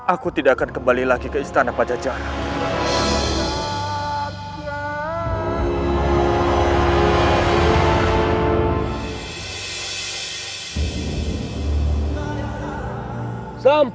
aku tidak akan kembali lagi ke istana pajajaran